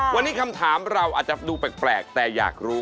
วันนี้คำถามเราอาจจะดูแปลกแต่อยากรู้